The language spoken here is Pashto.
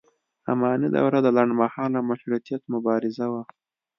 اماني دوره د لنډ مهاله مشروطیت مبارزې وه.